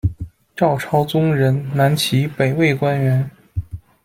赵超宗人，南齐、北魏官员。